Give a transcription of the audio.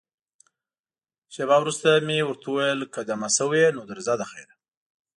شېبه وروسته مې ورته وویل، که دمه شوې یې، نو درځه له خیره.